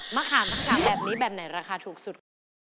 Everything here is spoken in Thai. มะขามมะขามแบบนี้แบบไหนราคาถูกสุดคะ